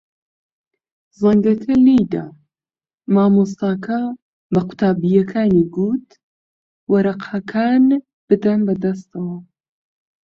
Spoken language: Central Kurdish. زەنگەکە لێی دا. مامۆستاکە بە قوتابییەکانی گوت وەرەقەکان بدەن بەدەستەوە.